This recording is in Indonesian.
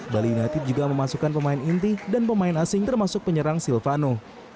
bali united juga memasukkan pemain inti dan pemain asing termasuk penyerang silvano